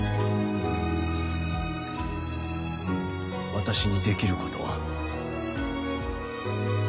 私にできることは？